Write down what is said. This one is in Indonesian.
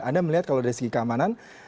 anda melihat kalau dari segi keamanan